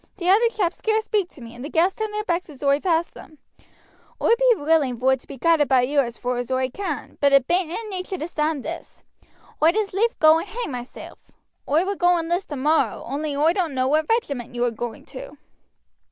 T' other chaps scarce speak to me, and the gals turn their backs as oi pass them. Oi be willing vor to be guided by you as far as oi can; but it bain't in nature to stand this. Oi'd as lief go and hang myself. Oi would go and list tomorrow, only oi don't know what regiment you are going to."